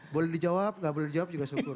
boleh dijawab nggak boleh dijawab juga syukur